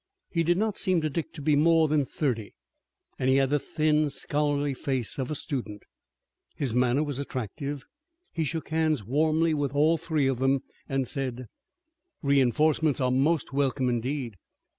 He did not seem to Dick to be more than thirty, and he had the thin, scholarly face of a student. His manner was attractive, he shook hands warmly with all three of them and said: "Reinforcements are most welcome indeed.